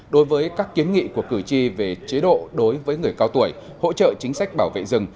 đối với các kiến nghị của cử tri về chế độ đối với người cao tuổi hỗ trợ chính sách bảo vệ rừng